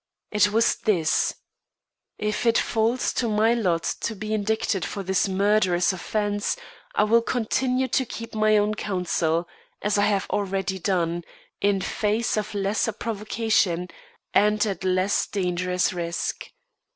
It was this: If it falls to my lot to be indicted for this murderous offence, I will continue to keep my own counsel, as I have already done, in face of lesser provocation and at less dangerous risk.